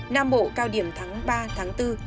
nam bộ cao điểm tháng ba bốn